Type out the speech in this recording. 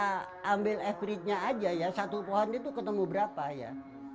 kita ambil average nya aja ya satu pohon itu ketemu berapa ya